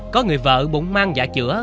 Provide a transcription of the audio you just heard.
có người vợ bụng mang giả chữa